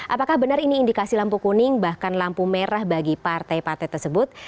apakah benar ini indikasi lampu kuning bahkan lampu merah bagi partai partai tersebut